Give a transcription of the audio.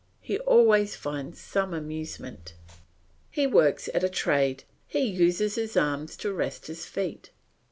He always finds some amusement. He works at a trade; he uses his arms to rest his feet.